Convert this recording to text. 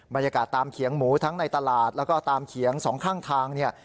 บรรยากาศตามเขียงหมูทั้งในตลาดแล้วก็ตามเขียงสองข้างทางเนี่ย